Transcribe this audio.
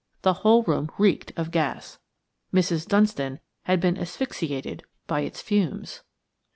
The whole room reeked of gas. Mrs. Dunstan had been asphyxiated by its fumes.